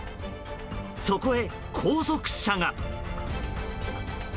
そこへ後続車が。